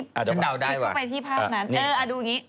พี่เข้าไปที่ภาพนั้นอ่าดูแบบนี้